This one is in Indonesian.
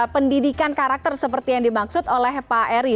pendidikan karakter seperti yang dimaksud oleh pak eri